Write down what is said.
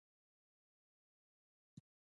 تقويه کول شتمنو بې وزلو مرسته کوي.